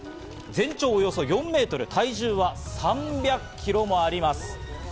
全長およそ４メートル、体重は３００キロもあります。